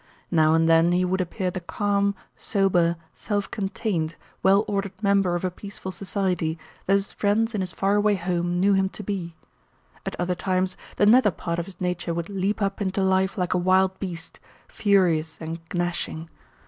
Now and then he would appear the calm, sober, self contained, well ordered member of a peaceful society that his friends in his far away home knew him to be; at other times the nether part of his nature would leap up into life like a wild beast, furious and gnashing.